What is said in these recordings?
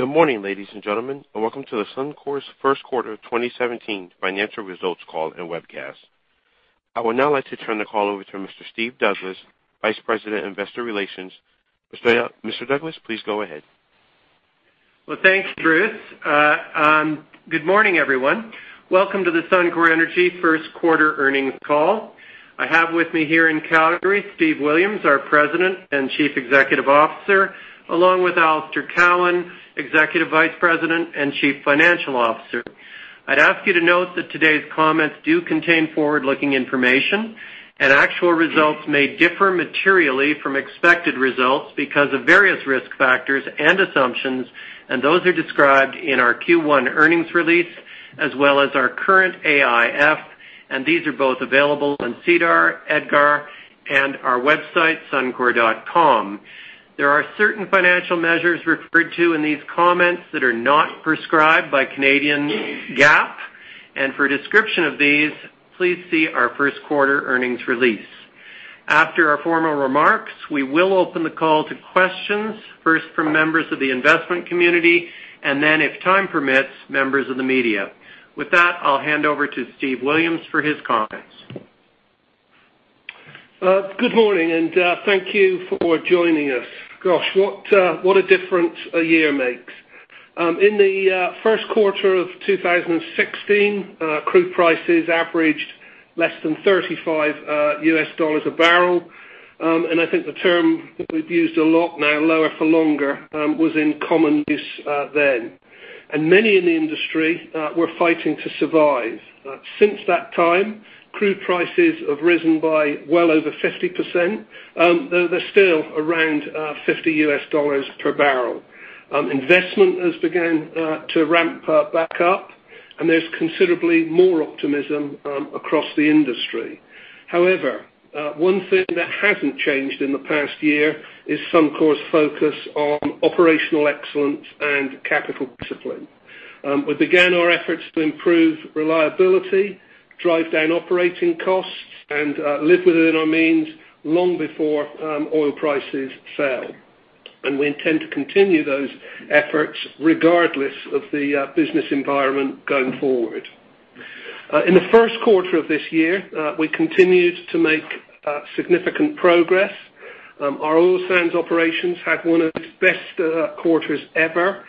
Good morning, ladies and gentlemen, and welcome to Suncor's first quarter 2017 financial results call and webcast. I would now like to turn the call over to Mr. Steve Douglas, Vice President, Investor Relations. Mr. Douglas, please go ahead. Well, thanks, Bruce. Good morning, everyone. Welcome to the Suncor Energy first quarter earnings call. I have with me here in Calgary, Steve Williams, our President and Chief Executive Officer, along with Alister Cowan, Executive Vice President and Chief Financial Officer. I'd ask you to note that today's comments do contain forward-looking information. Actual results may differ materially from expected results because of various risk factors and assumptions. Those are described in our Q1 earnings release, as well as our current AIF. These are both available on SEDAR, EDGAR, and our website, suncor.com. There are certain financial measures referred to in these comments that are not prescribed by Canadian GAAP. For a description of these, please see our first quarter earnings release. After our formal remarks, we will open the call to questions, first from members of the investment community, and then if time permits, members of the media. With that, I'll hand over to Steve Williams for his comments. Good morning. Thank you for joining us. Gosh, what a different year makes. In the first quarter of 2016, crude prices averaged less than $35 a barrel. I think the term that we've used a lot now, lower for longer, was in common use then. Many in the industry were fighting to survive. Since that time, crude prices have risen by well over 50%. They're still around $50 per barrel. Investment has began to ramp back up, and there's considerably more optimism across the industry. However, one thing that hasn't changed in the past year is Suncor's focus on operational excellence and capital discipline. We began our efforts to improve reliability, drive down operating costs, and live within our means long before oil prices fell. We intend to continue those efforts regardless of the business environment going forward. In the first quarter of this year, we continued to make significant progress. Our oil sands operations had one of its best quarters ever.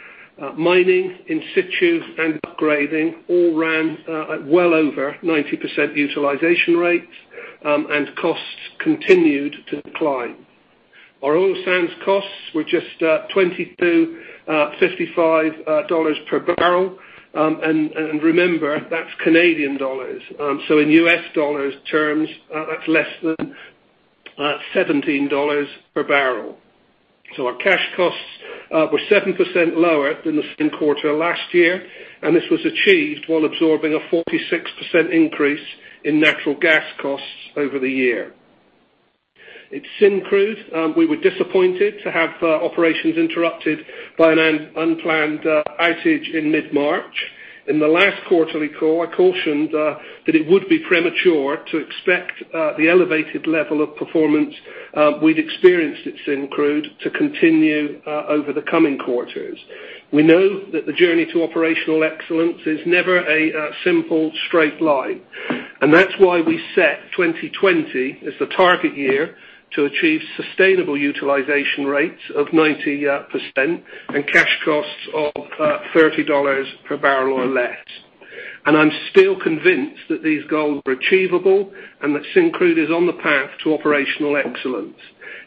Mining, in situ, and upgrading all ran at well over 90% utilization rates, and costs continued to decline. Our oil sands costs were just 22.55 dollars per barrel. And remember, that's Canadian dollars. In US dollars terms, that's less than $17 per barrel. Our cash costs were 7% lower than the same quarter last year, and this was achieved while absorbing a 46% increase in natural gas costs over the year. At Syncrude, we were disappointed to have operations interrupted by an unplanned outage in mid-March. In the last quarterly call, I cautioned that it would be premature to expect the elevated level of performance we'd experienced at Syncrude to continue over the coming quarters. We know that the journey to operational excellence is never a simple straight line, and that's why we set 2020 as the target year to achieve sustainable utilization rates of 90% and cash costs of 30 dollars per barrel or less. I'm still convinced that these goals are achievable and that Syncrude is on the path to operational excellence.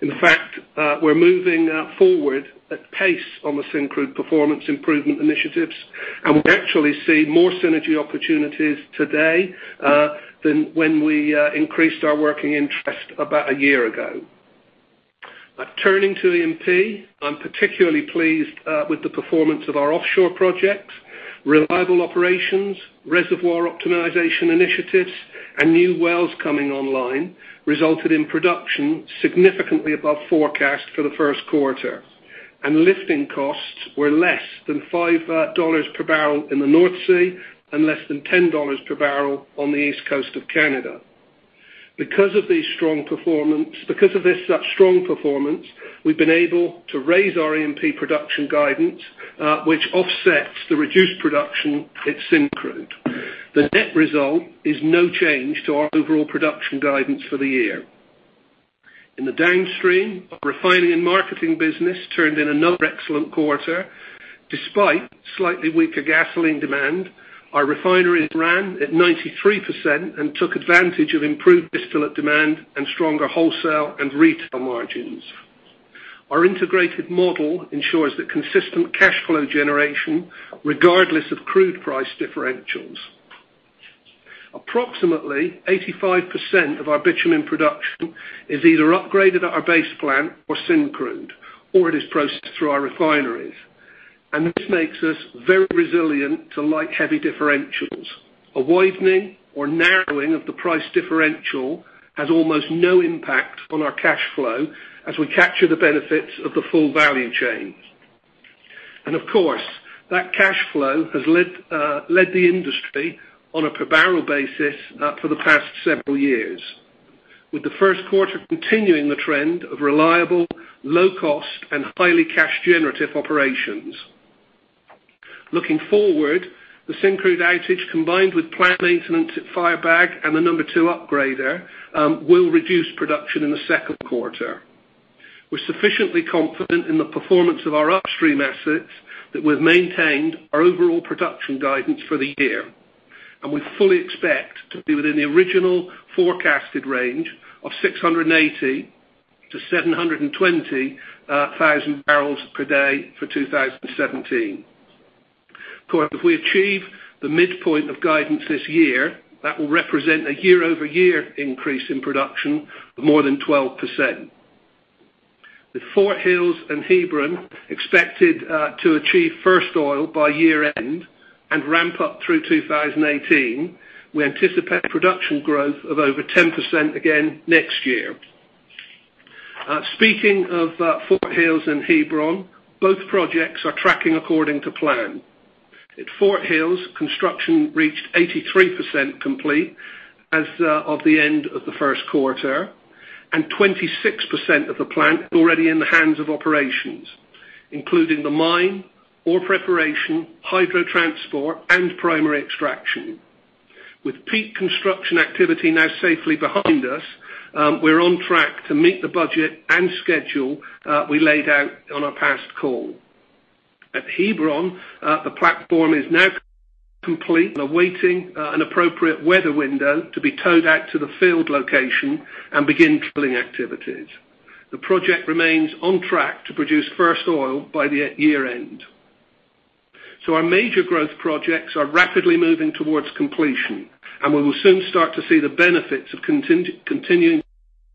In fact, we're moving forward at pace on the Syncrude performance improvement initiatives, and we actually see more synergy opportunities today than when we increased our working interest about a year ago. Turning to E&P, I'm particularly pleased with the performance of our offshore projects. Reliable operations, reservoir optimization initiatives, and new wells coming online resulted in production significantly above forecast for the first quarter. Lifting costs were less than 5 dollars per barrel in the North Sea and less than 10 dollars per barrel on the East Coast of Canada. Because of this strong performance, we've been able to raise our E&P production guidance, which offsets the reduced production at Syncrude. The net result is no change to our overall production guidance for the year. In the downstream, refining and marketing business turned in another excellent quarter. Despite slightly weaker gasoline demand, our refineries ran at 93% and took advantage of improved distillate demand and stronger wholesale and retail margins. Our integrated model ensures that consistent cash flow generation, regardless of crude price differentials. Approximately 85% of our bitumen production is either upgraded at our base plant or Syncrude, or it is processed through our refineries. This makes us very resilient to light heavy differentials. A widening or narrowing of the price differential has almost no impact on our cash flow as we capture the benefits of the full value chains. Of course, that cash flow has led the industry on a per barrel basis for the past several years. With the first quarter continuing the trend of reliable, low cost, and highly cash generative operations. Looking forward, the Syncrude outage, combined with plant maintenance at Firebag and the number 2 upgrader, will reduce production in the second quarter. We're sufficiently confident in the performance of our upstream assets that we've maintained our overall production guidance for the year, and we fully expect to be within the original forecasted range of 680,000 to 720,000 barrels per day for 2017. Of course, if we achieve the midpoint of guidance this year, that will represent a year-over-year increase in production of more than 12%. With Fort Hills and Hebron expected to achieve first oil by year-end and ramp up through 2018, we anticipate production growth of over 10% again next year. Speaking of Fort Hills and Hebron, both projects are tracking according to plan. At Fort Hills, construction reached 83% complete as of the end of the first quarter, and 26% of the plant is already in the hands of operations, including the mine, ore preparation, hydro transport, and primary extraction. With peak construction activity now safely behind us, we're on track to meet the budget and schedule we laid out on our past call. At Hebron, the platform is now complete and awaiting an appropriate weather window to be towed out to the field location and begin drilling activities. The project remains on track to produce first oil by the year-end. Our major growth projects are rapidly moving towards completion, and we will soon start to see the benefits of continuing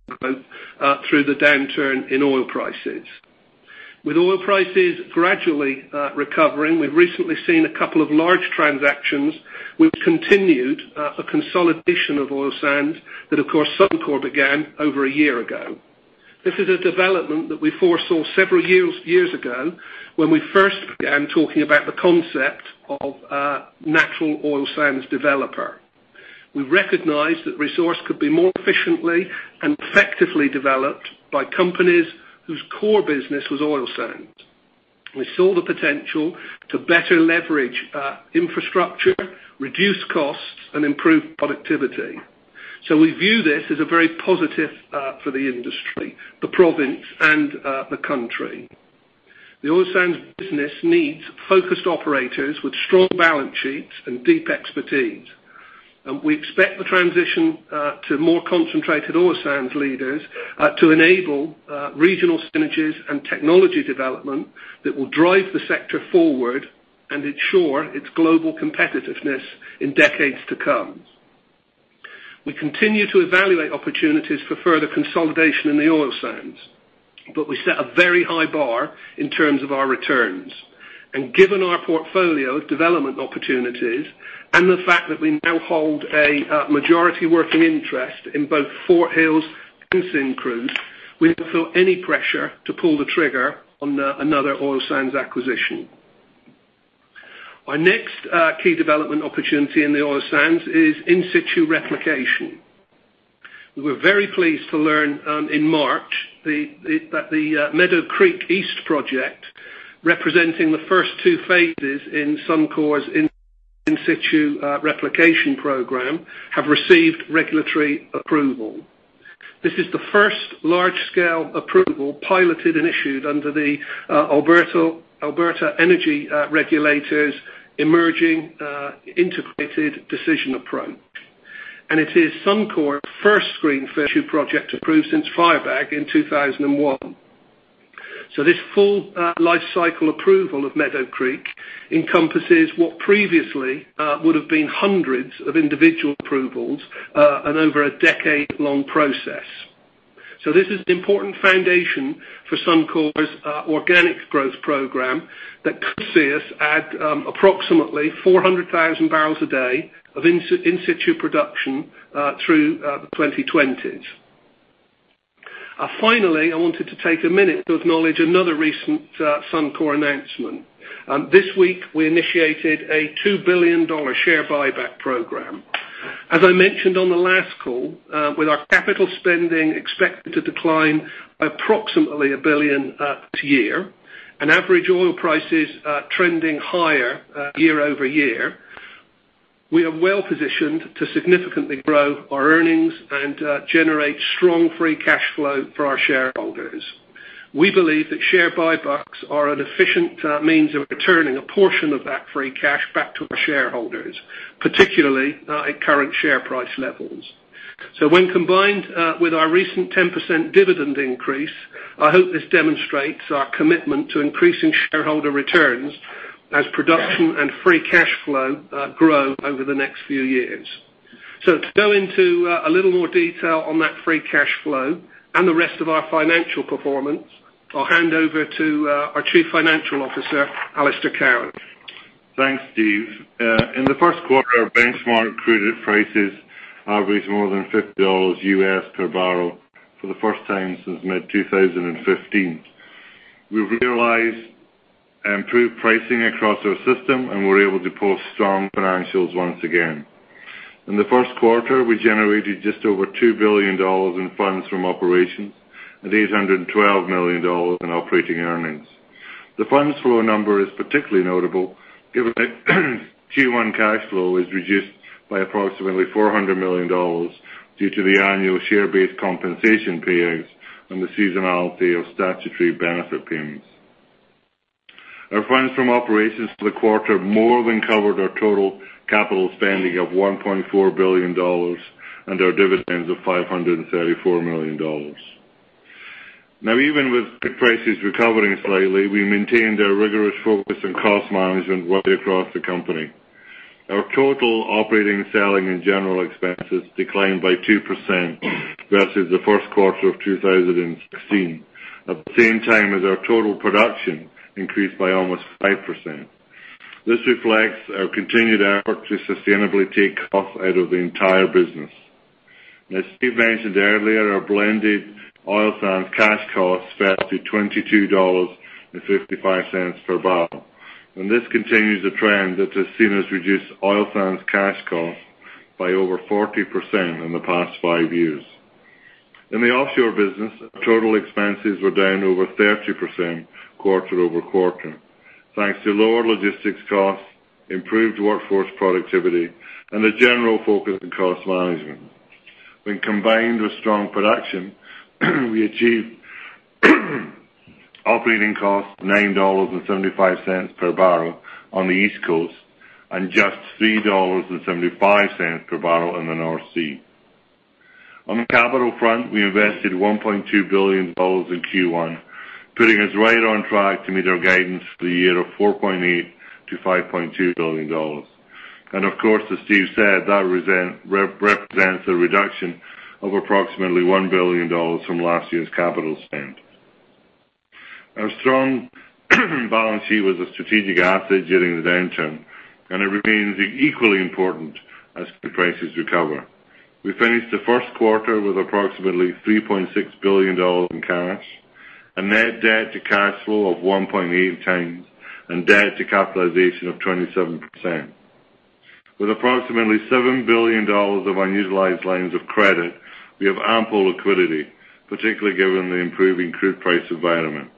growth through the downturn in oil prices. With oil prices gradually recovering, we've recently seen a couple of large transactions which continued a consolidation of oil sands that, of course, Suncor began over a year ago. This is a development that we foresaw several years ago when we first began talking about the concept of a natural oil sands developer. We recognized that resource could be more efficiently and effectively developed by companies whose core business was oil sands. We saw the potential to better leverage infrastructure, reduce costs, and improve productivity. We view this as a very positive for the industry, the province, and the country. The oil sands business needs focused operators with strong balance sheets and deep expertise. We expect the transition to more concentrated oil sands leaders to enable regional synergies and technology development that will drive the sector forward and ensure its global competitiveness in decades to come. We continue to evaluate opportunities for further consolidation in the oil sands, but we set a very high bar in terms of our returns. Given our portfolio of development opportunities and the fact that we now hold a majority working interest in both Fort Hills and Syncrude, we don't feel any pressure to pull the trigger on another oil sands acquisition. Our next key development opportunity in the oil sands is in situ replication. We were very pleased to learn in March that the Meadow Creek East project, representing the first two phases in Suncor's in situ replication program, have received regulatory approval. This is the first large-scale approval piloted and issued under the Alberta Energy Regulator's emerging integrated decision approach. It is Suncor's first screened in situ project approved since Firebag in 2001. This full lifecycle approval of Meadow Creek encompasses what previously would have been hundreds of individual approvals and over a decade-long process. This is an important foundation for Suncor's organic growth program that could see us add approximately 400,000 barrels a day of in situ production through the 2020s. Finally, I wanted to take a minute to acknowledge another recent Suncor announcement. This week, we initiated a 2 billion dollar share buyback program. As I mentioned on the last call, with our capital spending expected to decline approximately 1 billion this year and average oil prices trending higher year-over-year, we are well positioned to significantly grow our earnings and generate strong free cash flow for our shareholders. We believe that share buybacks are an efficient means of returning a portion of that free cash back to our shareholders, particularly at current share price levels. When combined with our recent 10% dividend increase, I hope this demonstrates our commitment to increasing shareholder returns as production and free cash flow grow over the next few years. To go into a little more detail on that free cash flow and the rest of our financial performance, I'll hand over to our Chief Financial Officer, Alister Cowan. Thanks, Steve. In the first quarter, our benchmark crude prices averaged more than $50 per barrel for the first time since mid-2015. We've realized improved pricing across our system, and we're able to post strong financials once again. In the first quarter, we generated just over 2 billion dollars in funds from operations and 812 million dollars in operating earnings. The funds flow number is particularly notable given that Q1 cash flow is reduced by approximately 400 million dollars due to the annual share-based compensation payouts and the seasonality of statutory benefit payments. Our funds from operations for the quarter more than covered our total capital spending of 1.4 billion dollars and our dividends of 534 million dollars. Even with the prices recovering slightly, we maintained our rigorous focus on cost management right across the company. Our total operating, selling, and general expenses declined by 2% versus the first quarter of 2016. At the same time as our total production increased by almost 5%. This reflects our continued effort to sustainably take cost out of the entire business. As Steve mentioned earlier, our blended oil sands cash costs fell to 22.55 dollars per barrel, and this continues a trend that has seen us reduce oil sands cash costs by over 40% in the past five years. In the offshore business, our total expenses were down over 30% quarter-over-quarter, thanks to lower logistics costs, improved workforce productivity, and a general focus on cost management. When combined with strong production, we achieved operating costs 9.75 dollars per barrel on the East Coast and just 3.75 dollars per barrel in the North Sea. On the capital front, we invested 1.2 billion dollars in Q1, putting us right on track to meet our guidance for the year of 4.8 billion-5.2 billion dollars. Of course, as Steve said, that represents a reduction of approximately 1 billion dollars from last year's capital spend. Our strong balance sheet was a strategic asset during the downturn, and it remains equally important as the prices recover. We finished the first quarter with approximately 3.6 billion dollars in cash, a net debt to cash flow of 1.8 times, and debt to capitalization of 27%. With approximately 7 billion dollars of our utilized lines of credit, we have ample liquidity, particularly given the improving crude price environment.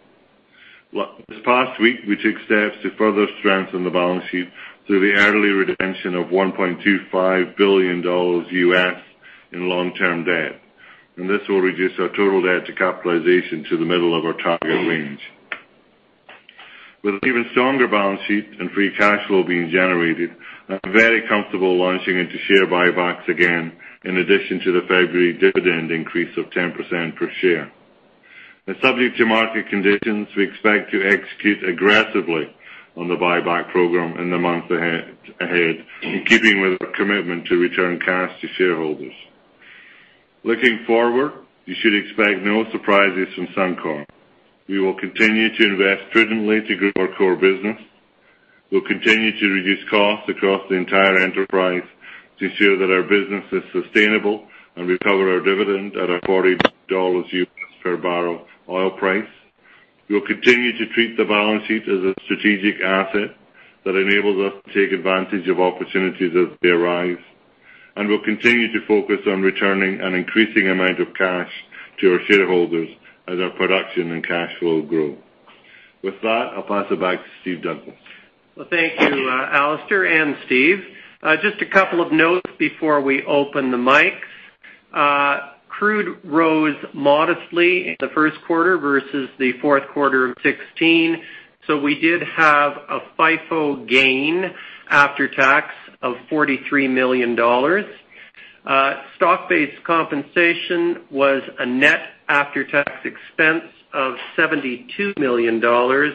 This past week, we took steps to further strengthen the balance sheet through the early redemption of $1.25 billion in long-term debt. This will reduce our total debt to capitalization to the middle of our target range. With an even stronger balance sheet and free cash flow being generated, I'm very comfortable launching into share buybacks again, in addition to the February dividend increase of 10% per share. Subject to market conditions, we expect to execute aggressively on the buyback program in the months ahead, in keeping with our commitment to return cash to shareholders. Looking forward, you should expect no surprises from Suncor. We will continue to invest prudently to grow our core business. We'll continue to reduce costs across the entire enterprise to ensure that our business is sustainable and recover our dividend at a $40 per barrel oil price. We will continue to treat the balance sheet as a strategic asset that enables us to take advantage of opportunities as they arise. We'll continue to focus on returning an increasing amount of cash to our shareholders as our production and cash flow grow. With that, I'll pass it back to Steve Douglas. Well, thank you, Alister and Steve. Just a couple of notes before we open the mics. Crude rose modestly the first quarter versus the fourth quarter of 2016. We did have a FIFO gain after tax of CAD 43 million. Stock-based compensation was a net after-tax expense of 72 million dollars.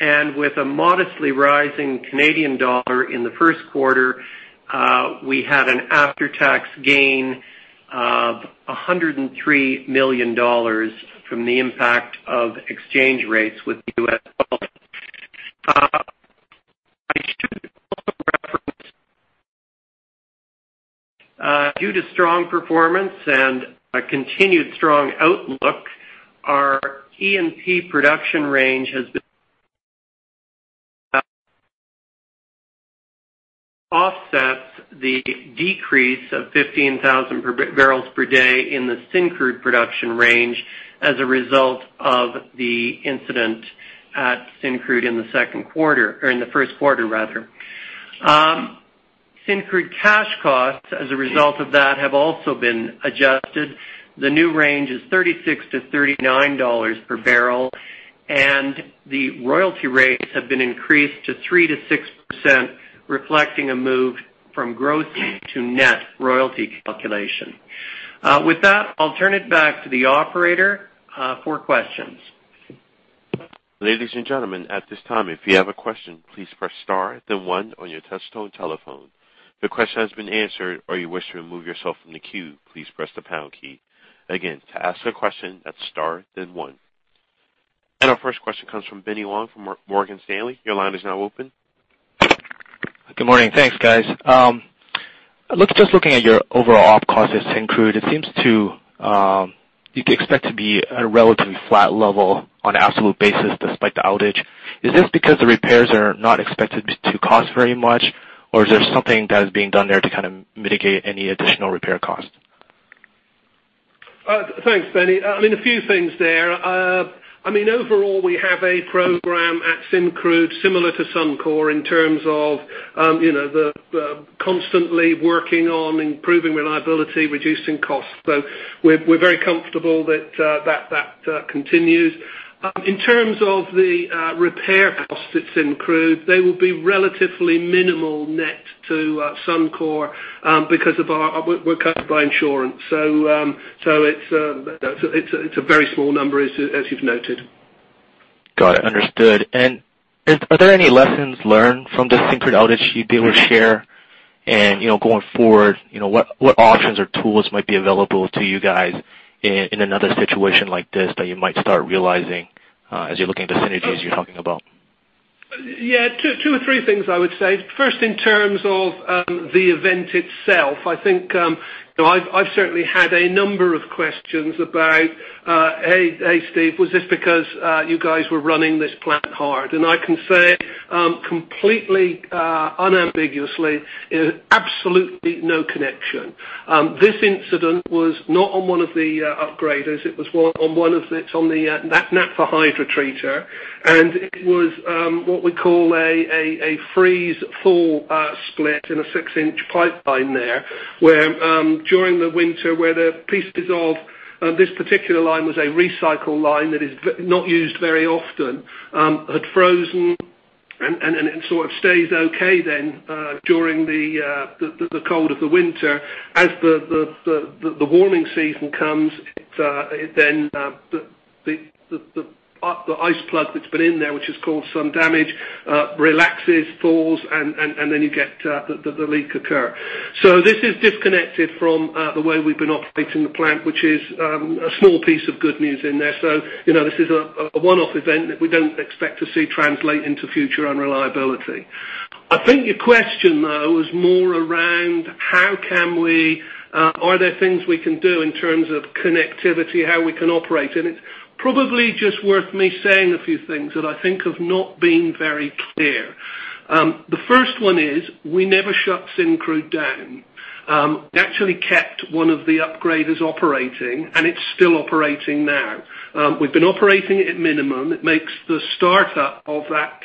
With a modestly rising Canadian dollar in the first quarter, we had an after-tax gain of $103 million from the impact of exchange rates with US dollars. I should also reference, due to strong performance and a continued strong outlook, our E&P production range has been offset the decrease of 15,000 barrels per day in the Syncrude production range as a result of the incident at Syncrude in the second quarter or in the first quarter, rather. Syncrude cash costs as a result of that have also been adjusted. The new range is 36 to 39 dollars per barrel. The royalty rates have been increased to 3%-6%, reflecting a move from gross to net royalty calculation. With that, I'll turn it back to the operator for questions. Ladies and gentlemen, at this time, if you have a question, please press star then one on your touchtone telephone. If your question has been answered or you wish to remove yourself from the queue, please press the pound key. Again, to ask a question, that's star then one. Our first question comes from Benny Wong from Morgan Stanley. Your line is now open. Good morning. Thanks, guys. Just looking at your overall op costs at Syncrude, it seems to expect to be at a relatively flat level on an absolute basis despite the outage. Is this because the repairs are not expected to cost very much, or is there something that is being done there to mitigate any additional repair costs? Thanks, Benny. A few things there. Overall, we have a program at Syncrude similar to Suncor in terms of the constantly working on improving reliability, reducing costs. We're very comfortable that continues. In terms of the repair costs at Syncrude, they will be relatively minimal net to Suncor because we're covered by insurance. It's a very small number as you've noted. Got it. Understood. Are there any lessons learned from the Syncrude outage you'd be able to share? Going forward, what options or tools might be available to you guys in another situation like this that you might start realizing as you're looking at the synergies you're talking about? Yeah. Two or three things I would say. First, in terms of the event itself, I've certainly had a number of questions about, "Hey, Steve, was this because you guys were running this plant hard?" I can say completely unambiguously, absolutely no connection. This incident was not on one of the upgraders. It was on the naphtha hydrotreater, and it was what we call a freeze-thaw split in a six-inch pipeline there, where during the winter, where the pieces of this particular line was a recycle line that is not used very often, had frozen, and it sort of stays okay then, during the cold of the winter. As the warming season comes, then the ice plug that's been in there, which has caused some damage, relaxes, thaws, and then you get the leak occur. This is disconnected from the way we've been operating the plant, which is a small piece of good news in there. This is a one-off event that we don't expect to see translate into future unreliability. I think your question, though, is more around are there things we can do in terms of connectivity, how we can operate. It's probably just worth me saying a few things that I think have not been very clear. The first one is we never shut Syncrude down. We actually kept one of the upgraders operating, and it's still operating now. We've been operating it at minimum. It makes the start-up of that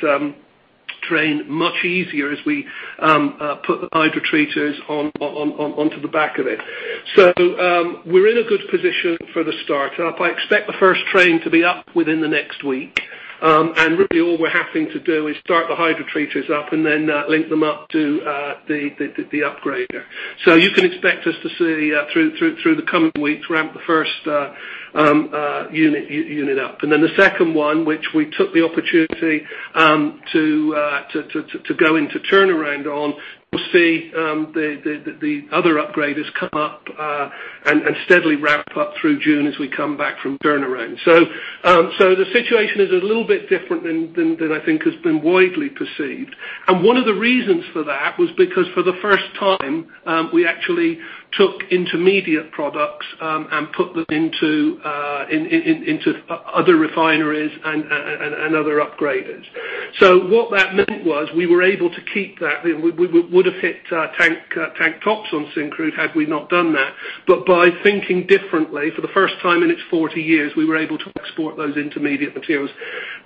train much easier as we put the hydrotreaters onto the back of it. We're in a good position for the start-up. I expect the first train to be up within the next week. Really all we're having to do is start the hydrotreaters up and then link them up to the upgrader. You can expect us to see through the coming weeks ramp the first unit up. Then the second one, which we took the opportunity to go into turnaround on, we'll see the other upgraders come up, and steadily ramp up through June as we come back from turnaround. The situation is a little bit different than I think has been widely perceived. One of the reasons for that was because for the first time, we actually took intermediate products, and put them into other refineries and other upgraders. What that meant was we were able to keep that. We would've hit tank tops on Syncrude had we not done that. By thinking differently for the first time in its 40 years, we were able to export those intermediate materials.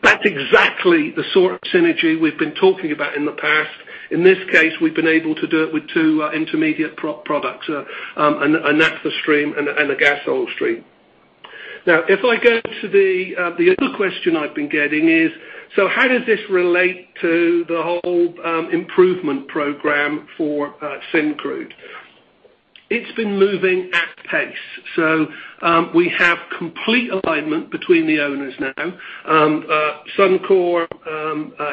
That's exactly the sort of synergy we've been talking about in the past. In this case, we've been able to do it with two intermediate products, a naphtha stream and a gas oil stream. Now, if I go to the other question I've been getting is, how does this relate to the whole improvement program for Syncrude? It's been moving at pace. We have complete alignment between the owners now. Suncor,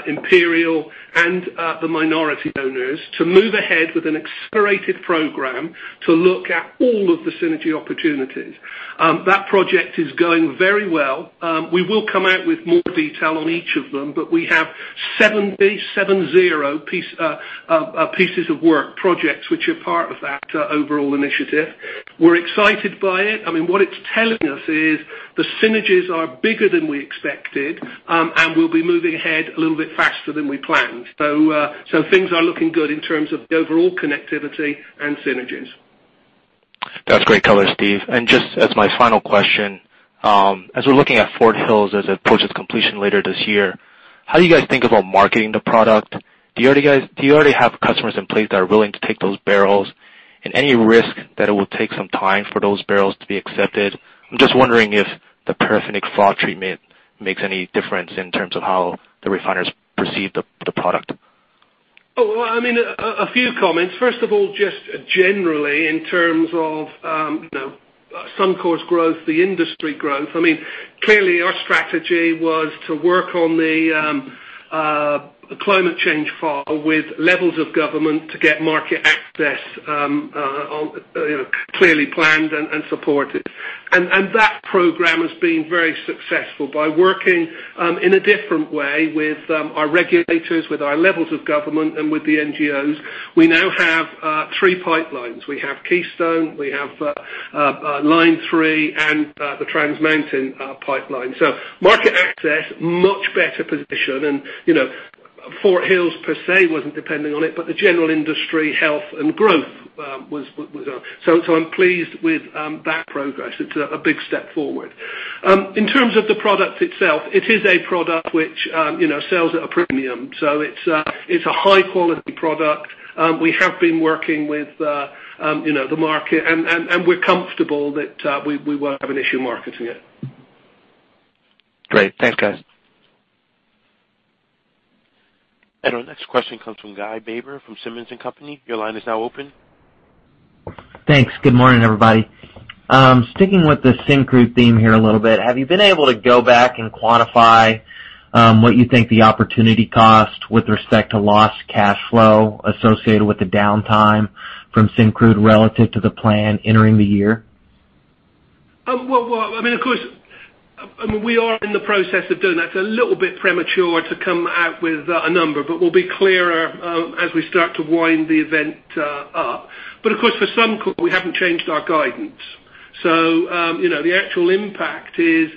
Imperial, and the minority owners to move ahead with an accelerated program to look at all of the synergy opportunities. That project is going very well. We will come out with more detail on each of them, but we have 70, seven zero, pieces of work projects, which are part of that overall initiative. We're excited by it. What it's telling us is the synergies are bigger than we expected, and we'll be moving ahead a little bit faster than we planned. Things are looking good in terms of the overall connectivity and synergies. That's great color, Steve. Just as my final question, as we're looking at Fort Hills as it approaches completion later this year, how do you guys think about marketing the product? Do you already have customers in place that are willing to take those barrels? Any risk that it will take some time for those barrels to be accepted? I'm just wondering if the paraffinic froth treatment makes any difference in terms of how the refiners perceive the product. A few comments. First of all, just generally in terms of Suncor's growth, the industry growth, clearly our strategy was to work on the climate change file with levels of government to get market access clearly planned and supported. That program has been very successful by working in a different way with our regulators, with our levels of government, and with the NGOs. We now have three pipelines. We have Keystone, we have Line 3, and the Trans Mountain pipeline. Market access, much better position. Fort Hills per se wasn't depending on it, but the general industry health and growth was. I'm pleased with that progress. It's a big step forward. In terms of the product itself, it is a product which sells at a premium. It's a high-quality product. We have been working with the market, and we're comfortable that we won't have an issue marketing it. Great. Thanks, guys. Our next question comes from Guy Baber, from Simmons & Company. Your line is now open. Thanks. Good morning, everybody. Sticking with the Syncrude theme here a little bit, have you been able to go back and quantify what you think the opportunity cost with respect to lost cash flow associated with the downtime from Syncrude relative to the plan entering the year? Of course, we are in the process of doing that. It's a little bit premature to come out with a number, but we'll be clearer as we start to wind the event up. Of course, for Suncor, we haven't changed our guidance. The actual impact has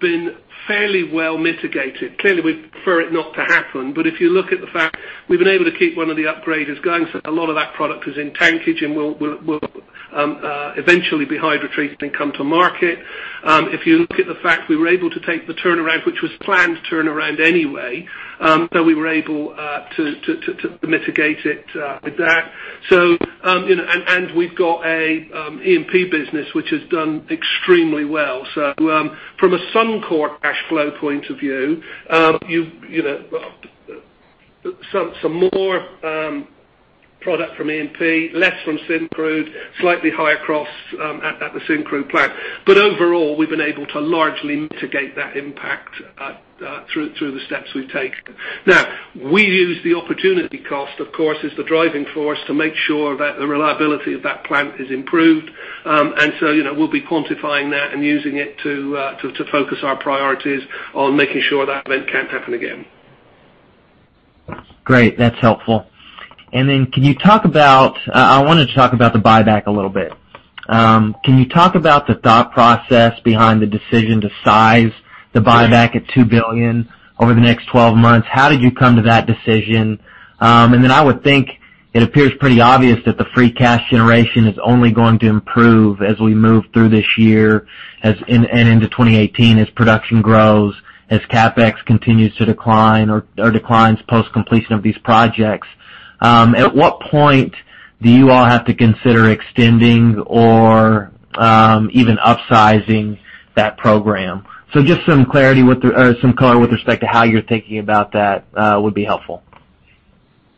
been fairly well mitigated. Clearly, we'd prefer it not to happen. If you look at the fact we've been able to keep one of the upgraders going, so a lot of that product is in tankage and will eventually be hydrotreated and come to market. If you look at the fact we were able to take the turnaround, which was a planned turnaround anyway, so we were able to mitigate it with that. We've got an E&P business, which has done extremely well. From a Suncor cash flow point of view, some more product from E&P, less from Syncrude, slightly higher costs at the Syncrude plant. Overall, we've been able to largely mitigate that impact through the steps we've taken. Now, we use the opportunity cost, of course, as the driving force to make sure that the reliability of that plant is improved. We'll be quantifying that and using it to focus our priorities on making sure that event can't happen again. Great. That's helpful. I wanted to talk about the buyback a little bit. Can you talk about the thought process behind the decision to size the buyback at 2 billion over the next 12 months? How did you come to that decision? I would think it appears pretty obvious that the free cash generation is only going to improve as we move through this year and into 2018, as production grows, as CapEx continues to decline or declines post-completion of these projects. At what point do you all have to consider extending or even upsizing that program? Just some color with respect to how you're thinking about that would be helpful.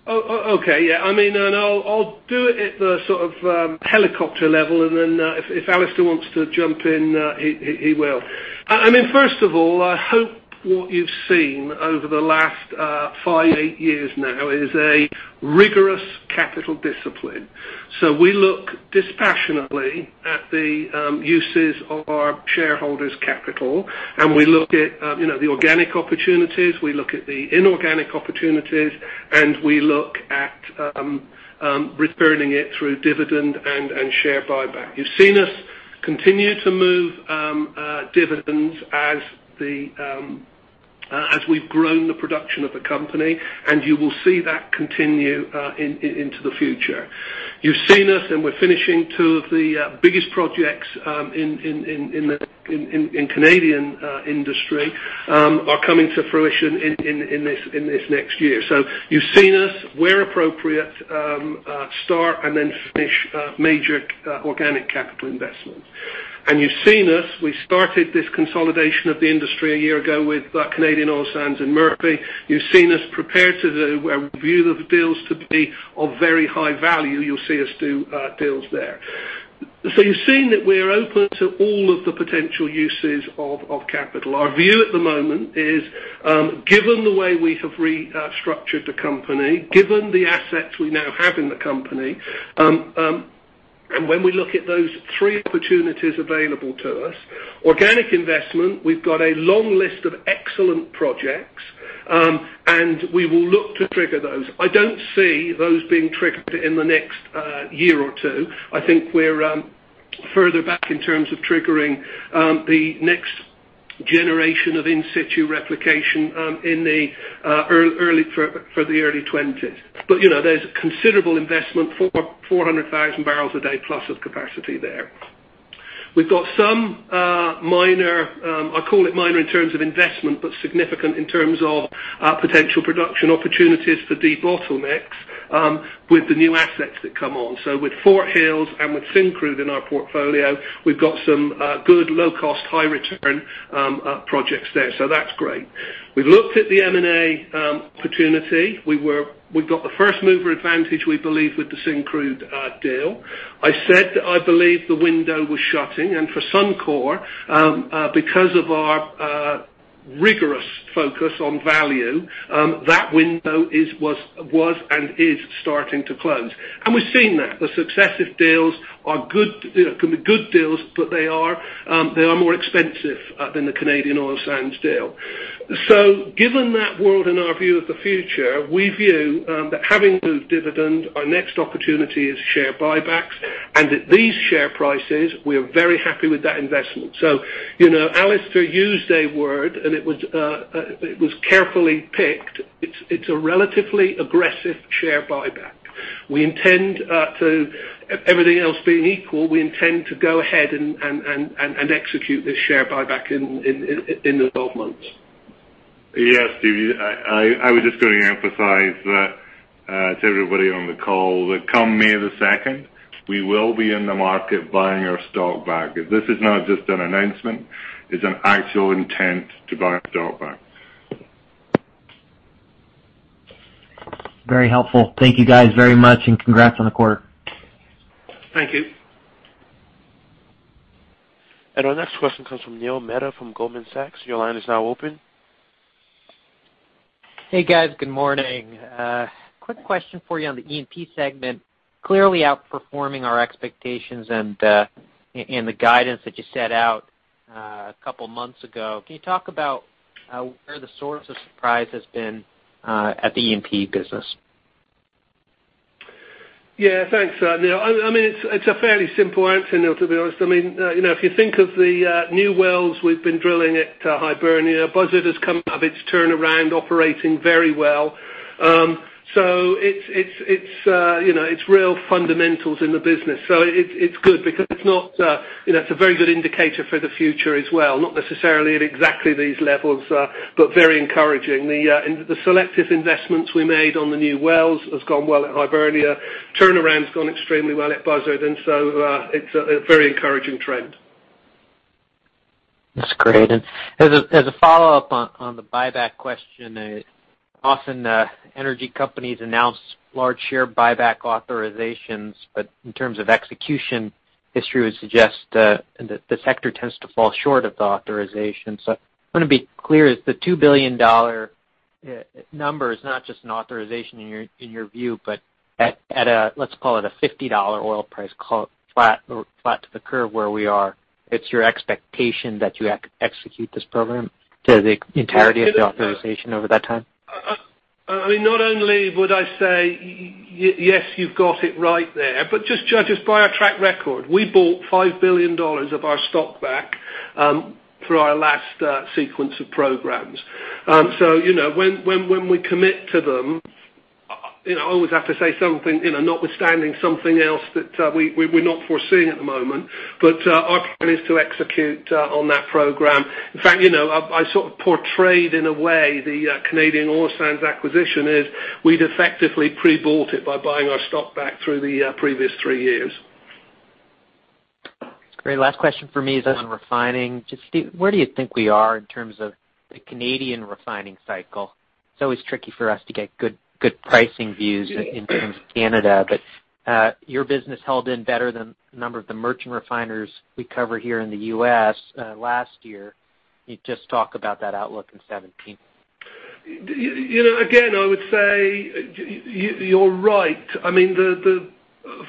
Okay. Yeah. I'll do it at the helicopter level, and then, if Alister wants to jump in, he will. First of all, I hope what you've seen over the last five, eight years now is a rigorous capital discipline. We look dispassionately at the uses of our shareholders' capital, and we look at the organic opportunities, we look at the inorganic opportunities, and we look at returning it through dividend and share buyback. You've seen us continue to move dividends as we've grown the production of the company, and you will see that continue into the future. You've seen us, and we're finishing two of the biggest projects in Canadian industry are coming to fruition in this next year. You've seen us, where appropriate, start and then finish major organic capital investments. You've seen us, we started this consolidation of the industry a year ago with Canadian Oil Sands and Murphy. You've seen us prepare to where we view the deals to be of very high value. You'll see us do deals there. You've seen that we're open to all of the potential uses of capital. Our view at the moment is, given the way we have restructured the company, given the assets we now have in the company, and when we look at those three opportunities available to us. Organic investment, we've got a long list of excellent projects, and we will look to trigger those. I don't see those being triggered in the next year or two. I think we're further back in terms of triggering the next generation of in-situ replication for the early '20s. There's a considerable investment, 400,000 barrels a day plus of capacity there. We've got some minor, I call it minor in terms of investment, but significant in terms of potential production opportunities to debottleneck with the new assets that come on. With Fort Hills and with Syncrude in our portfolio, we've got some good low-cost, high-return projects there. That's great. We've looked at the M&A opportunity. We've got the first-mover advantage, we believe, with the Syncrude deal. I said that I believe the window was shutting, and for Suncor, rigorous focus on value. That window was and is starting to close. We're seeing that. The successive deals can be good deals, but they are more expensive than the Canadian Oil Sands deal. Given that world and our view of the future, we view that having improved dividend, our next opportunity is share buybacks. At these share prices, we are very happy with that investment. Alastair used a word, and it was carefully picked. It's a relatively aggressive share buyback. Everything else being equal, we intend to go ahead and execute this share buyback in the 12 months. Yes, Steve, I was just going to emphasize to everybody on the call that come May the 2nd, we will be in the market buying our stock back. This is not just an announcement, it's an actual intent to buy our stock back. Very helpful. Thank you guys very much, and congrats on the quarter. Thank you. Our next question comes from Neil Mehta from Goldman Sachs. Your line is now open. Hey, guys. Good morning. Quick question for you on the E&P segment. Clearly outperforming our expectations and the guidance that you set out a couple of months ago. Can you talk about where the source of surprise has been at the E&P business? Yeah. Thanks, Neil. It's a fairly simple answer, Neil, to be honest. If you think of the new wells we've been drilling at Hibernia, Buzzard has come out of its turnaround, operating very well. It's real fundamentals in the business. It's good because it's a very good indicator for the future as well, not necessarily at exactly these levels, but very encouraging. The selective investments we made on the new wells has gone well at Hibernia. Turnaround's gone extremely well at Buzzard. It's a very encouraging trend. That's great. As a follow-up on the buyback question, often energy companies announce large share buyback authorizations, but in terms of execution, history would suggest that the sector tends to fall short of the authorization. I want to be clear. Is the 2 billion dollar number not just an authorization in your view, but at let's call it a $50 oil price, flat to the curve where we are. It's your expectation that you execute this program to the entirety of the authorization over that time? Not only would I say, yes, you've got it right there, but just judge us by our track record. We bought 5 billion dollars of our stock back through our last sequence of programs. When we commit to them, I always have to say notwithstanding something else that we're not foreseeing at the moment, our plan is to execute on that program. In fact, I sort of portrayed in a way the Canadian Oil Sands acquisition is we'd effectively pre-bought it by buying our stock back through the previous three years. Great. Last question for me is on refining. Steve, where do you think we are in terms of the Canadian refining cycle? It's always tricky for us to get good pricing views in terms of Canada, but your business held in better than a number of the merchant refiners we cover here in the U.S. last year. Can you just talk about that outlook in 2017? Again, I would say you're right.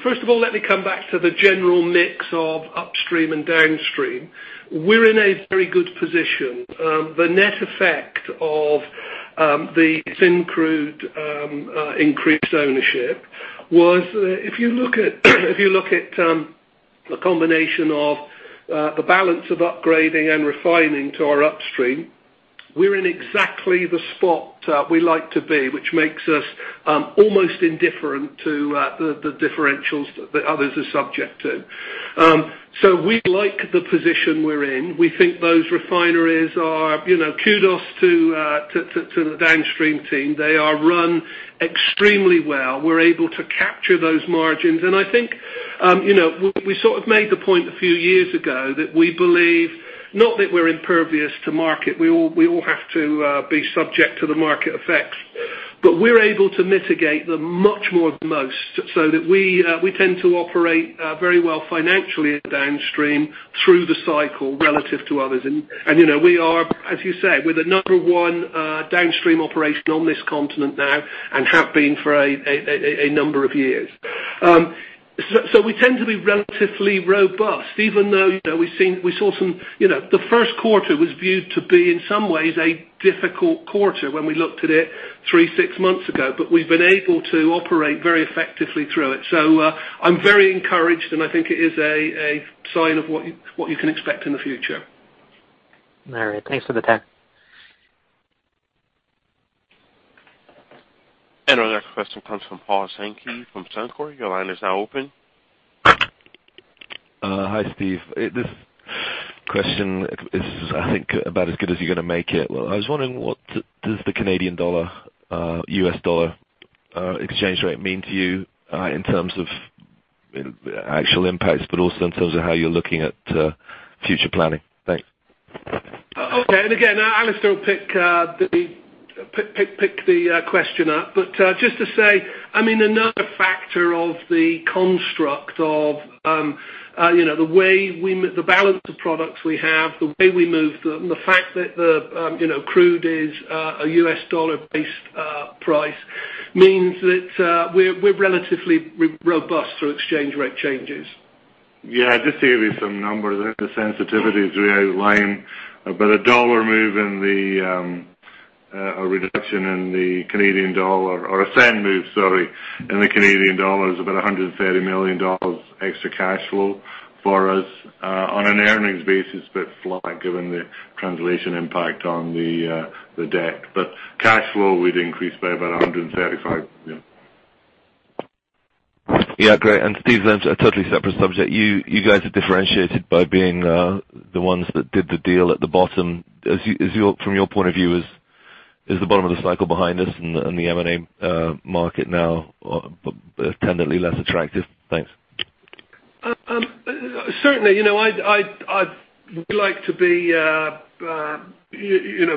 First of all, let me come back to the general mix of upstream and downstream. We're in a very good position. The net effect of the Syncrude increased ownership was, if you look at the combination of the balance of upgrading and refining to our upstream, we're in exactly the spot we like to be, which makes us almost indifferent to the differentials that others are subject to. We like the position we're in. Kudos to the downstream team. They are run extremely well. We're able to capture those margins. I think we sort of made the point a few years ago that we believe, not that we're impervious to market, we all have to be subject to the market effects. We're able to mitigate them much more than most. We tend to operate very well financially at downstream through the cycle relative to others. We are, as you say, we're the number 1 downstream operation on this continent now and have been for a number of years. We tend to be relatively robust even though the first quarter was viewed to be, in some ways, a difficult quarter when we looked at it three, six months ago. We've been able to operate very effectively through it. I'm very encouraged, and I think it is a sign of what you can expect in the future. All right. Thanks for the time. Our next question comes from Paul Sankey from Suncor. Your line is now open. Hi, Steve. This question is, I think, about as good as you're going to make it. I was wondering, what does the Canadian dollar, US dollar exchange rate mean to you in terms of actual impacts? Also in terms of how you're looking at future planning? Thanks. Again, Alister will pick the question up. Just to say, another factor of the construct of the balance of products we have, the way we move them, the fact that the crude is a US dollar-based price means that we're relatively robust through exchange rate changes. Yeah. Just to give you some numbers there, the sensitivities we outline. A reduction in the Canadian dollar or a cent move, sorry, in the Canadian dollar is about 130 million Canadian dollars extra cash flow for us. On an earnings basis, a bit flat given the translation impact on the debt. Cash flow we'd increase by about 135 million. Yeah. Yeah. Great. Steve, to a totally separate subject. You guys are differentiated by being the ones that did the deal at the bottom. From your point of view, is the bottom of the cycle behind us and the M&A market now tendently less attractive? Thanks. Certainly. I'd like to be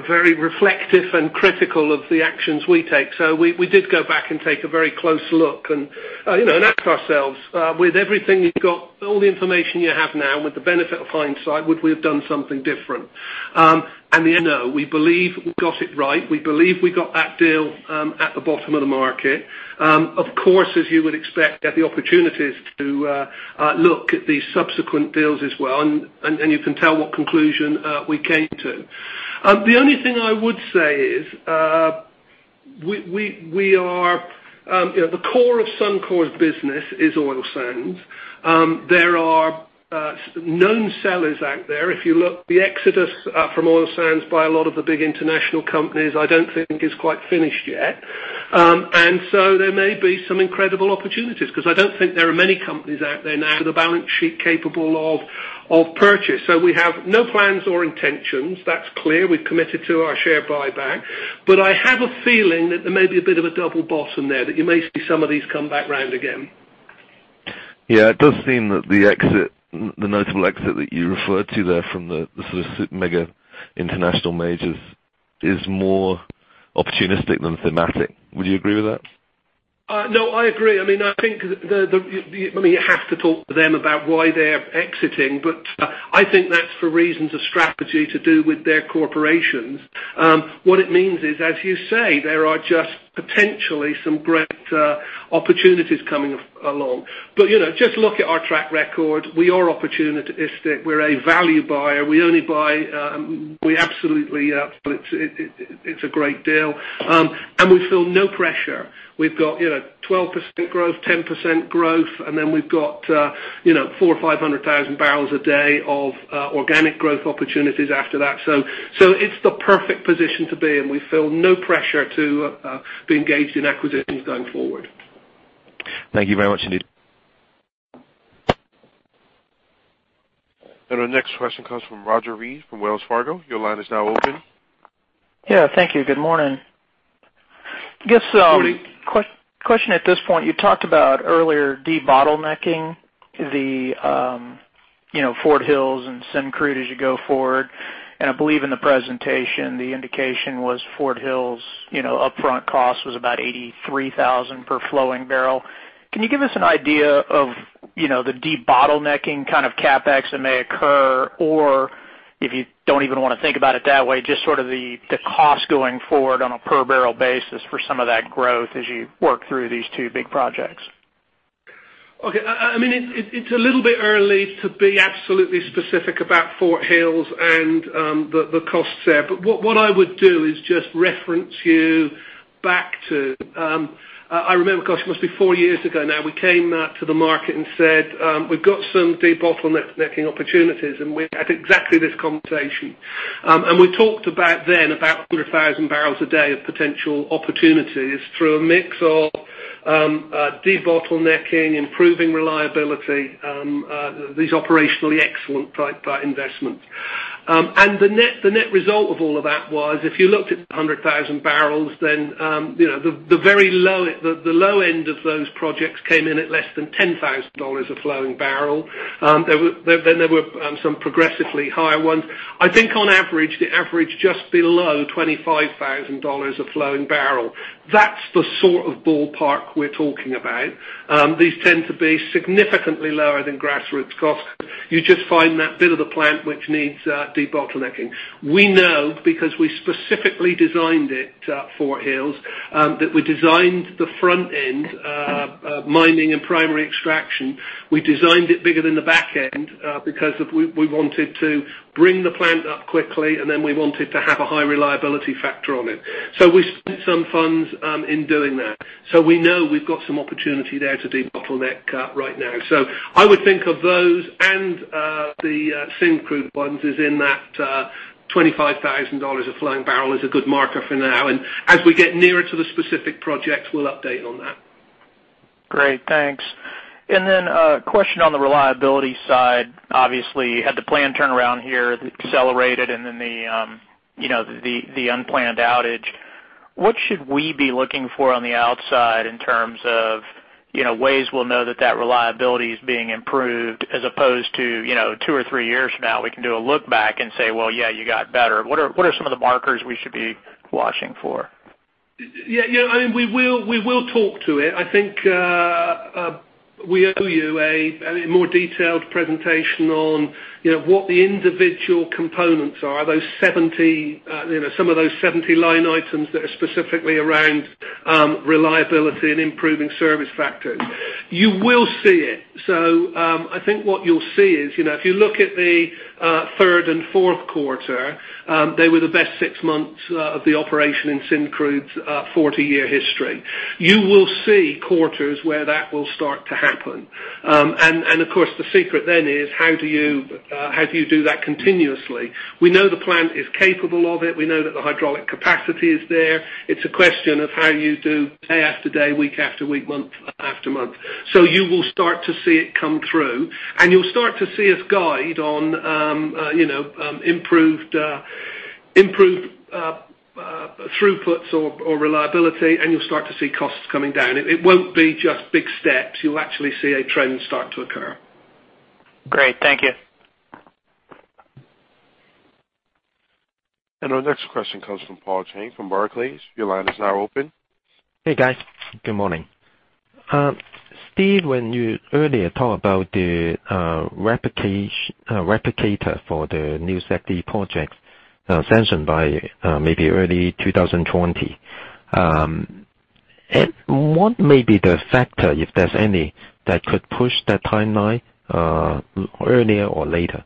very reflective and critical of the actions we take. We did go back and take a very close look and ask ourselves, with everything you've got, all the information you have now, and with the benefit of hindsight, would we have done something different? No, we believe we got it right. We believe we got that deal at the bottom of the market. Of course, as you would expect, had the opportunities to look at these subsequent deals as well, and you can tell what conclusion we came to. The only thing I would say is, the core of Suncor's business is oil sands. There are known sellers out there. If you look, the exodus from oil sands by a lot of the big international companies, I don't think is quite finished yet. There may be some incredible opportunities because I don't think there are many companies out there now with a balance sheet capable of purchase. We have no plans or intentions. That's clear. We've committed to our share buyback. I have a feeling that there may be a bit of a double bottom there, that you may see some of these come back round again. Yeah. It does seem that the notable exit that you referred to there from the sort of mega international majors is more opportunistic than thematic. Would you agree with that? No, I agree. I think you have to talk to them about why they're exiting, but I think that's for reasons of strategy to do with their corporations. What it means is, as you say, there are just potentially some great opportunities coming along. Just look at our track record. We are opportunistic. We're a value buyer. We only buy when it's a great deal. We feel no pressure. We've got 12% growth, 10% growth, and then we've got 400,000 or 500,000 barrels a day of organic growth opportunities after that. It's the perfect position to be in. We feel no pressure to be engaged in acquisitions going forward. Thank you very much, indeed. Our next question comes from Roger Read from Wells Fargo. Your line is now open. Yeah, thank you. Good morning. Good morning. Question at this point. You talked about earlier de-bottlenecking the Fort Hills and Syncrude as you go forward. I believe in the presentation, the indication was Fort Hills' upfront cost was about 83,000 per flowing barrel. Can you give us an idea of the de-bottlenecking kind of CapEx that may occur? Or if you don't even want to think about it that way, just sort of the cost going forward on a per barrel basis for some of that growth as you work through these two big projects. Okay. It's a little bit early to be absolutely specific about Fort Hills and the costs there. What I would do is just reference you back to, I remember, gosh, it must be four years ago now. We came to the market and said, we've got some de-bottlenecking opportunities, and we had exactly this conversation. We talked back then about 100,000 barrels a day of potential opportunities through a mix of de-bottlenecking, improving reliability, these operationally excellent type investments. The net result of all of that was if you looked at the 100,000 barrels, then the low end of those projects came in at less than 10,000 dollars a flowing barrel. Then there were some progressively higher ones. I think on average, they average just below 25,000 dollars a flowing barrel. That's the sort of ballpark we're talking about. These tend to be significantly lower than grassroots cost. You just find that bit of the plant which needs de-bottlenecking. We know because we specifically designed it, Fort Hills. We designed the front end, mining and primary extraction. We designed it bigger than the back end because we wanted to bring the plant up quickly, and then we wanted to have a high reliability factor on it. We spent some funds in doing that. We know we've got some opportunity there to de-bottleneck right now. I would think of those and the Syncrude ones as in that 25,000 dollars a flowing barrel is a good marker for now. As we get nearer to the specific projects, we'll update on that. Great. Thanks. A question on the reliability side. Obviously, you had the planned turnaround here accelerated and then the unplanned outage. What should we be looking for on the outside in terms of ways we'll know that that reliability is being improved as opposed to two or three years from now, we can do a look back and say, "Well, yeah, you got better." What are some of the markers we should be watching for? Yeah. We will talk to it. I think we owe you a more detailed presentation on what the individual components are. Some of those 70 line items that are specifically around reliability and improving service factors. You will see it. I think what you'll see is, if you look at the third and fourth quarter, they were the best six months of the operation in Syncrude's 40-year history. You will see quarters where that will start to happen. Of course, the secret then is how do you do that continuously? We know the plant is capable of it. We know that the hydraulic capacity is there. It's a question of how you do day after day, week after week, month after month. You will start to see it come through, and you'll start to see us guide on improved throughputs or reliability, and you'll start to see costs coming down. It won't be just big steps. You'll actually see a trend start to occur. Great. Thank you. Our next question comes from Paul Cheng from Barclays. Your line is now open. Hey, guys. Good morning. Steve, when you earlier talked about the replicator for the new SAGD projects sanctioned by maybe early 2020, what may be the factor, if there's any, that could push that timeline earlier or later?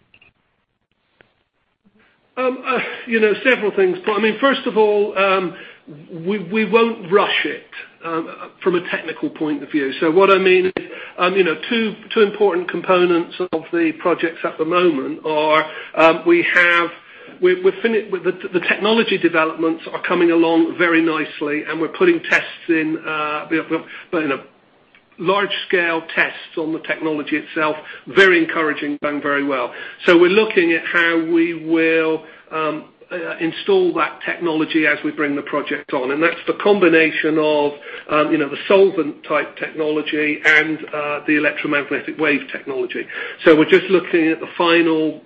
Several things, Paul. First of all, we won't rush it from a technical point of view. What I mean is, two important components of the projects at the moment are the technology developments are coming along very nicely, and we're putting large-scale tests on the technology itself. Very encouraging. Going very well. We're looking at how we will install that technology as we bring the project on. That's the combination of the solvent-type technology and the electromagnetic wave technology. We're just looking at the final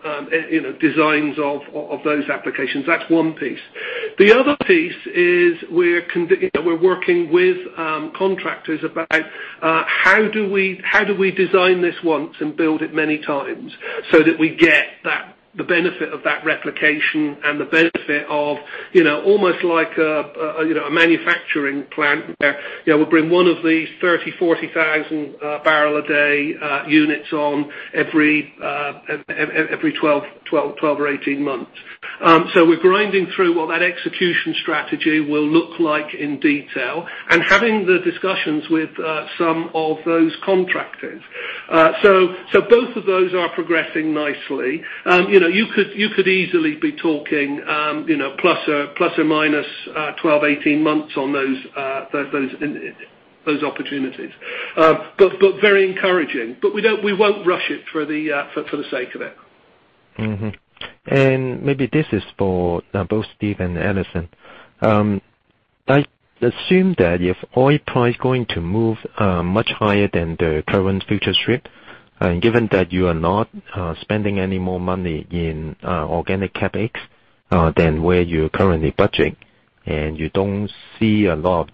designs of those applications. That's one piece. The other piece is we're working with contractors about how do we design this once and build it many times so that we get the benefit of that replication and the benefit of almost like a manufacturing plant where we'll bring one of these 30,000, 40,000 barrel a day units on every 12 or 18 months. We're grinding through what that execution strategy will look like in detail and having the discussions with some of those contractors. Both of those are progressing nicely. You could easily be talking ±12, 18 months on those opportunities. Very encouraging. We won't rush it for the sake of it. Maybe this is for both Steve and Alistair. I assume that if oil price going to move much higher than the current future strip, and given that you are not spending any more money in organic CapEx than where you're currently budgeting, and you don't see a lot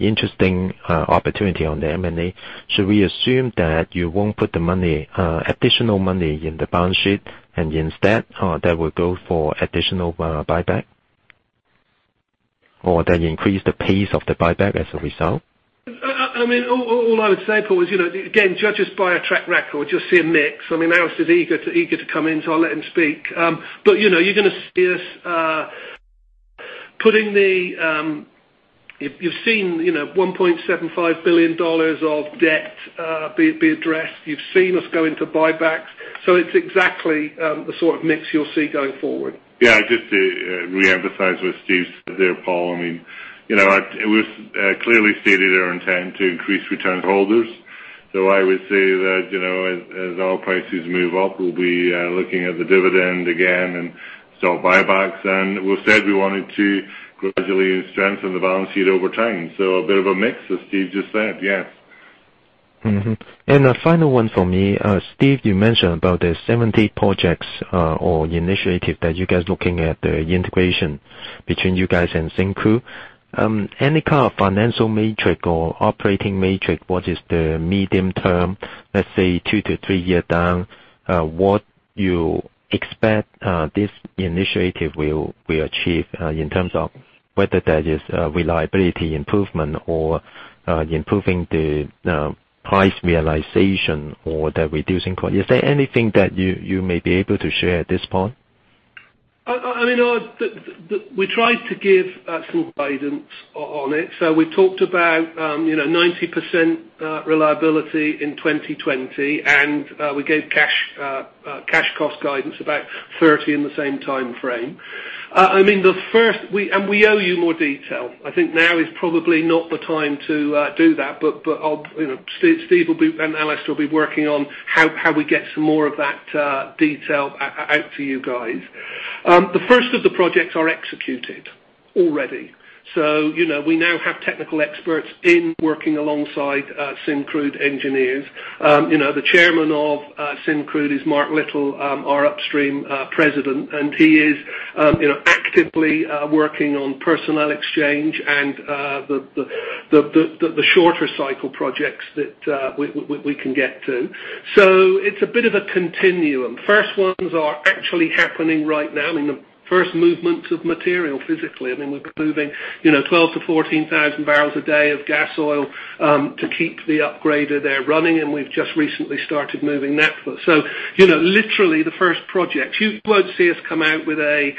interesting opportunity on the M&A, should we assume that you won't put additional money in the balance sheet and instead that will go for additional buyback? That increase the pace of the buyback as a result? All I would say, Paul, is, again, judge us by our track record. You'll see a mix. Alister's eager to come in, I'll let him speak. You've seen 1.75 billion dollars of debt be addressed. You've seen us go into buybacks. It's exactly the sort of mix you'll see going forward. Just to reemphasize what Steve said there, Paul. We've clearly stated our intent to increase return to holders. I would say that as oil prices move up, we'll be looking at the dividend again and start buybacks. We've said we wanted to gradually strengthen the balance sheet over time. A bit of a mix, as Steve just said. Mm-hmm. A final one for me. Steve, you mentioned about the 70 projects or initiatives that you guys looking at the integration between you guys and Syncrude. Any kind of financial metric or operating metric, what is the medium term, let's say two to three year down, what you expect this initiative will achieve in terms of whether that is reliability improvement or improving the price realization or the reducing cost? Is there anything that you may be able to share at this point? We tried to give some guidance on it. We talked about 90% reliability in 2020, and we gave cash cost guidance about 30 in the same time frame. We owe you more detail. I think now is probably not the time to do that, Steve and Alister will be working on how we get some more of that detail out to you guys. The first of the projects are executed already. We now have technical experts in working alongside Syncrude engineers. The Chairman of Syncrude is Mark Little, our Upstream President, and he is actively working on personnel exchange and the shorter cycle projects that we can get to. It's a bit of a continuum. First ones are actually happening right now, I mean, the first movements of material physically. I mean, we're moving 12,000 to 14,000 barrels a day of gas oil to keep the upgrader there running, we've just recently started moving that, literally the first project. You won't see us come out with a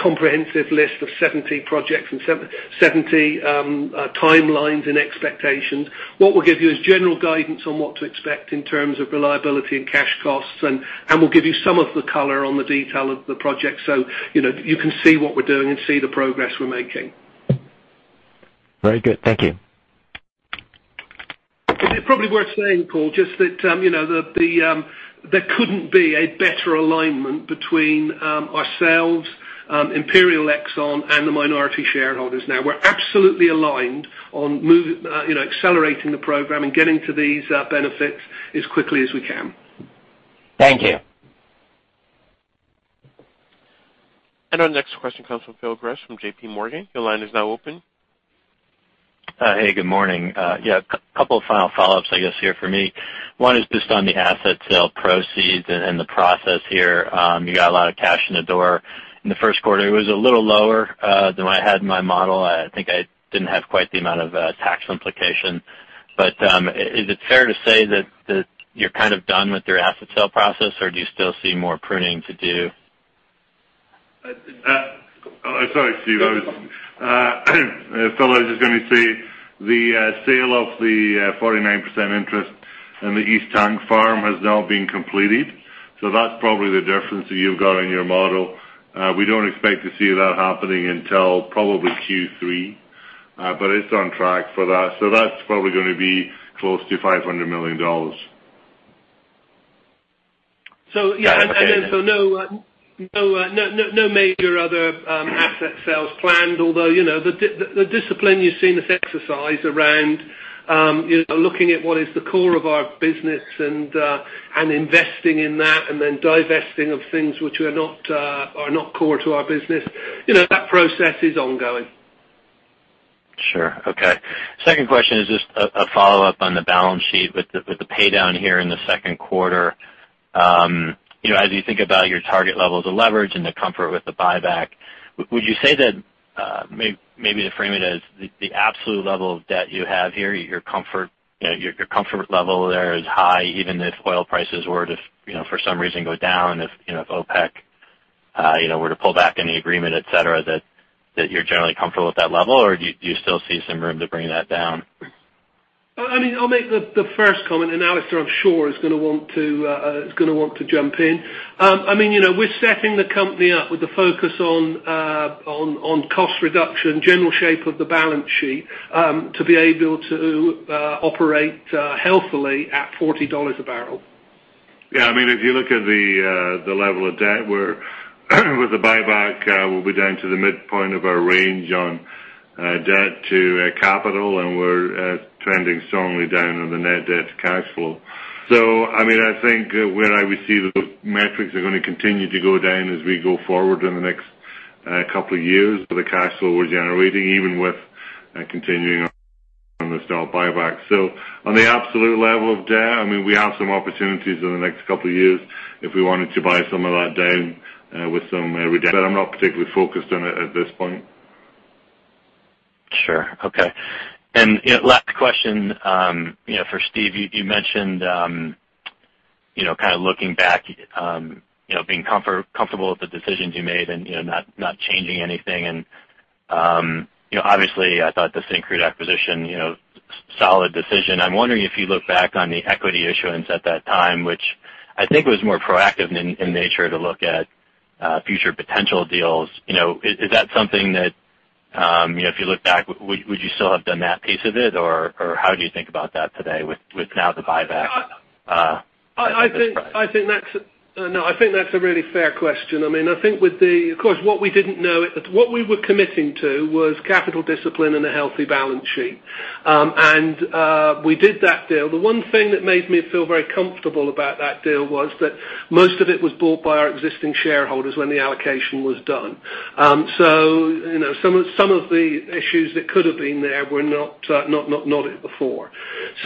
comprehensive list of 70 projects and 70 timelines and expectations. What we'll give you is general guidance on what to expect in terms of reliability and cash costs, and we'll give you some of the color on the detail of the project so you can see what we're doing and see the progress we're making. Very good. Thank you. It's probably worth saying, Paul, just that there couldn't be a better alignment between ourselves, Imperial Oil, and the minority shareholders. We're absolutely aligned on accelerating the program and getting to these benefits as quickly as we can. Thank you. Our next question comes from Phil Gresh from J.P. Morgan. Your line is now open. Hey, good morning. Yeah, a couple of final follow-ups, I guess, here from me. One is just on the asset sale proceeds and the process here. You got a lot of cash in the door in the first quarter. It was a little lower than what I had in my model. I think I didn't have quite the amount of tax implication. Is it fair to say that you're done with your asset sale process, or do you still see more pruning to do? Sorry, Steve. Phil, I was just going to say the sale of the 49% interest in the East Tank Farm has now been completed. That's probably the difference that you've got in your model. We don't expect to see that happening until probably Q3. It's on track for that. That's probably going to be close to CAD 500 million. No major other asset sales planned, although the discipline you've seen us exercise around looking at what is the core of our business and investing in that and then divesting of things which are not core to our business. That process is ongoing. Sure. Okay. Second question is just a follow-up on the balance sheet with the pay down here in the second quarter. As you think about your target levels of leverage and the comfort with the buyback, would you say that, maybe to frame it as the absolute level of debt you have here, your comfort level there is high, even if oil prices were to, for some reason, go down, if OPEC were to pull back any agreement, et cetera, that you're generally comfortable with that level? Do you still see some room to bring that down? I mean, I'll make the first comment, and Alister, I'm sure, is going to want to jump in. We're setting the company up with the focus on cost reduction, general shape of the balance sheet, to be able to operate healthily at 40 dollars a barrel. Yeah, if you look at the level of debt, with the buyback, we'll be down to the midpoint of our range on debt to capital, and we're trending strongly down on the net debt to cash flow. I think where I would see those metrics are going to continue to go down as we go forward in the next couple of years with the cash flow we're generating, even with continuing on the stock buyback. On the absolute level of debt, we have some opportunities in the next couple of years if we wanted to buy some of that down with some ‑‑ but I'm not particularly focused on it at this point. Sure. Okay. Last question for Steve. You mentioned looking back, being comfortable with the decisions you made and not changing anything. Obviously, I thought the Syncrude acquisition, solid decision. I'm wondering if you look back on the equity issuance at that time, which I think was more proactive in nature to look at future potential deals. Is that something that, if you look back, would you still have done that piece of it? How do you think about that today with now the buyback? No, I think that's a really fair question. Of course, what we didn't know, what we were committing to was capital discipline and a healthy balance sheet. We did that deal. The one thing that made me feel very comfortable about that deal was that most of it was bought by our existing shareholders when the allocation was done. Some of the issues that could have been there were not nodded before.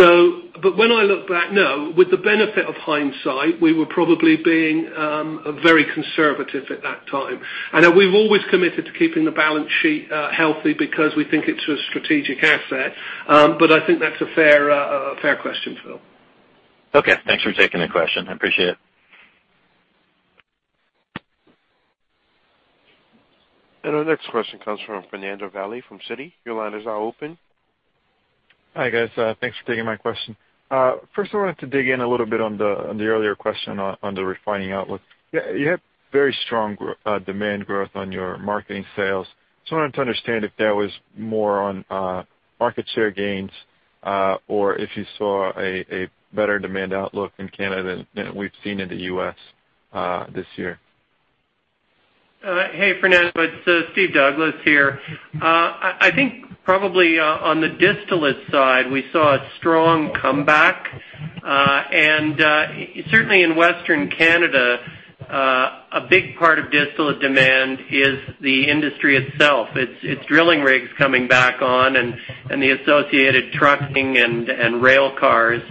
When I look back, no, with the benefit of hindsight, we were probably being very conservative at that time. We've always committed to keeping the balance sheet healthy because we think it's a strategic asset. I think that's a fair question, Phil. Okay. Thanks for taking the question. I appreciate it. Our next question comes from Fernando Valle from Citi. Your line is now open. Hi, guys. Thanks for taking my question. First I wanted to dig in a little bit on the earlier question on the refining outlook. You had very strong demand growth on your marketing sales. Just wanted to understand if that was more on market share gains Or if you saw a better demand outlook in Canada than we've seen in the U.S. this year. Hey, Fernando, it's Steve Douglas here. I think probably on the distillate side, we saw a strong comeback. Certainly in Western Canada, a big part of distillate demand is the industry itself. It's drilling rigs coming back on and the associated trucking and rail cars.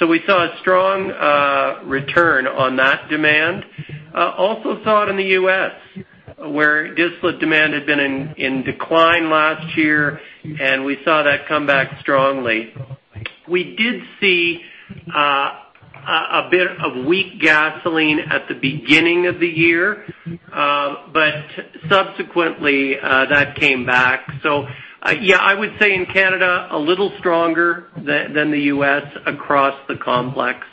We saw a strong return on that demand. Also saw it in the U.S., where distillate demand had been in decline last year, and we saw that come back strongly. We did see a bit of weak gasoline at the beginning of the year. Subsequently, that came back. Yeah, I would say in Canada, a little stronger than the U.S. across the complex.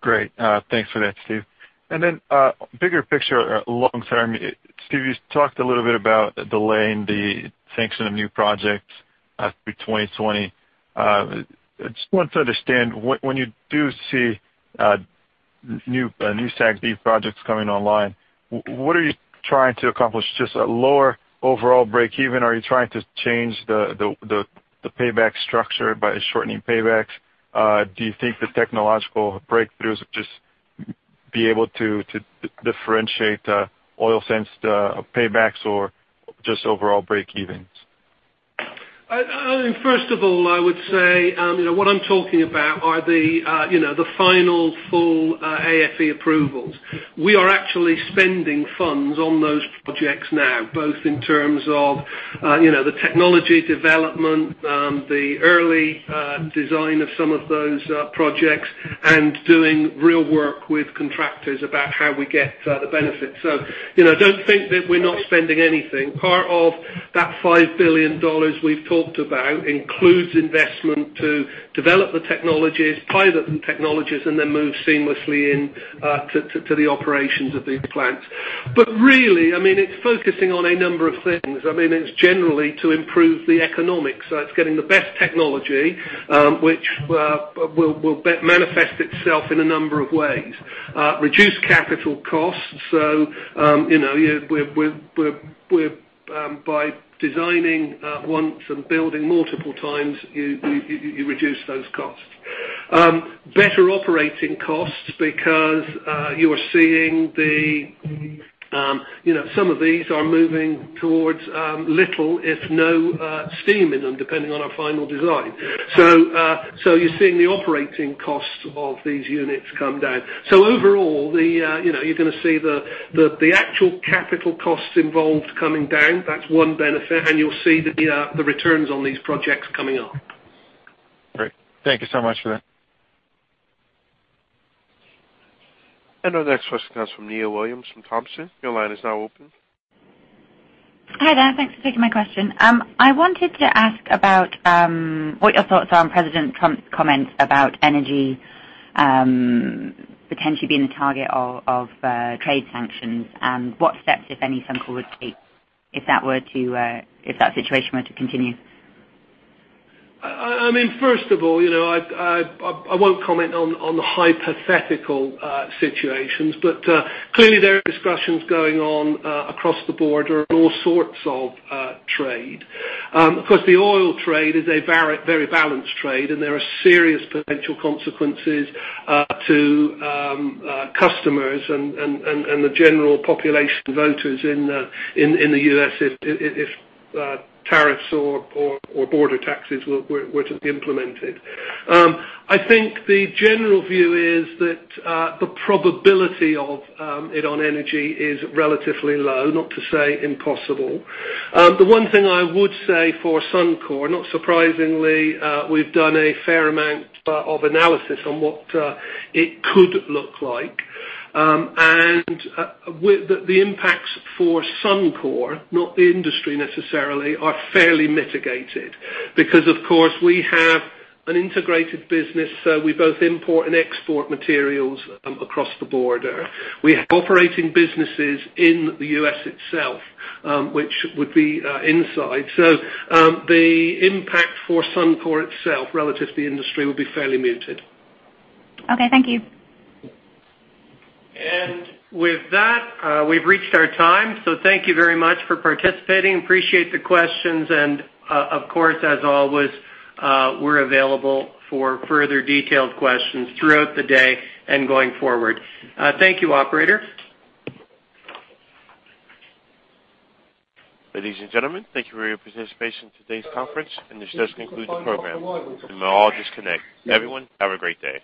Great. Thanks for that, Steve. Bigger picture long term, Steve, you talked a little bit about delaying the sanction of new projects through 2020. Just want to understand, when you do see new SAGD projects coming online, what are you trying to accomplish? Just a lower overall breakeven? Are you trying to change the payback structure by shortening paybacks? Do you think the technological breakthroughs would just be able to differentiate oil sands paybacks or just overall breakevens? First of all, I would say what I'm talking about are the final full AFC approvals. We are actually spending funds on those projects now, both in terms of the technology development, the early design of some of those projects, and doing real work with contractors about how we get the benefits. Don't think that we're not spending anything. Part of that 5 billion dollars we've talked about includes investment to develop the technologies, pilot the technologies, and then move seamlessly in to the operations of these plants. Really, it's focusing on a number of things. It's generally to improve the economics. It's getting the best technology, which will manifest itself in a number of ways. Reduce capital costs. By designing once and building multiple times, you reduce those costs. Better operating costs because you are seeing some of these are moving towards little, if no, steam in them, depending on our final design. You're seeing the operating costs of these units come down. Overall, you're going to see the actual capital costs involved coming down. That's one benefit, and you'll see the returns on these projects coming up. Great. Thank you so much for that. Our next question comes from Nia Williams from Thomson. Your line is now open. Hi there. Thanks for taking my question. I wanted to ask about what your thoughts are on President Trump's comments about energy potentially being a target of trade sanctions, and what steps, if any, Suncor would take if that situation were to continue. First of all, I won't comment on the hypothetical situations, clearly, there are discussions going on across the border on all sorts of trade. Of course, the oil trade is a very balanced trade, and there are serious potential consequences to customers and the general population voters in the U.S. if tariffs or border taxes were to be implemented. I think the general view is that the probability of it on energy is relatively low, not to say impossible. The one thing I would say for Suncor, not surprisingly, we've done a fair amount of analysis on what it could look like. The impacts for Suncor, not the industry necessarily, are fairly mitigated. Of course, we have an integrated business, we both import and export materials across the border. We have operating businesses in the U.S. itself, which would be inside. The impact for Suncor itself relative to the industry would be fairly muted. Okay, thank you. With that, we've reached our time. Thank you very much for participating. Appreciate the questions. Of course, as always, we're available for further detailed questions throughout the day and going forward. Thank you, operator. Ladies and gentlemen, thank you for your participation in today's conference. This does conclude the program. You may all disconnect. Everyone, have a great day.